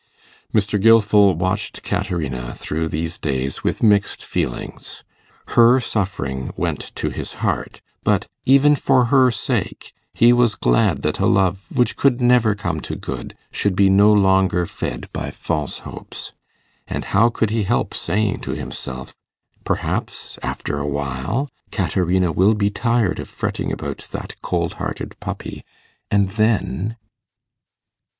Mr. Gilfil watched Caterina through these days with mixed feelings. Her suffering went to his heart; but, even for her sake, he was glad that a love which could never come to good should be no longer fed by false hopes; and how could he help saying to himself, 'Perhaps, after a while, Caterina will be tired of fretting about that cold hearted puppy, and then